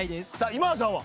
今田さんは？